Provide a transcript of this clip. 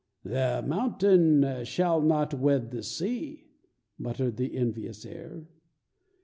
"The mountain shall not wed the sea," muttered the envious air.